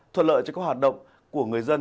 thuận lợi cho các hoạt động của người dân